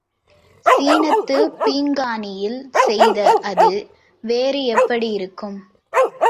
சீனத்துப் பீங்கானில் செய்த அது, வேறு எப்படியிருக்கும்?